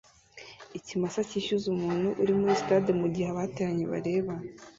Ikimasa cyishyuza umuntu uri muri stade mugihe abateranye bareba